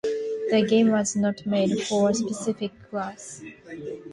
The game was not made for a specific class.